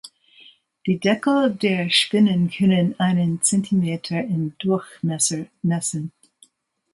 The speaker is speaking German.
Die Deckel der Spinnen können einen Zentimeter im Durchmesser messen.